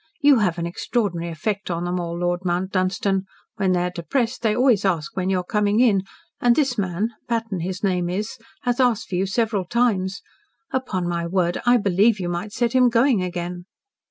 You have an extraordinary effect on them all, Lord Mount Dunstan. When they are depressed, they always ask when you are coming in, and this man Patton, his name is has asked for you several times. Upon my word, I believe you might set him going again."